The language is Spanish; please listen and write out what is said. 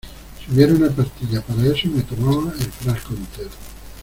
si hubiera una pastilla para eso, me tomaba el frasco entero.